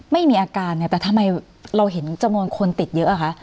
ไม่มีอาการเนี่ยแต่ทำไมเราเห็นจำนวนคนติดเยอะอะคะ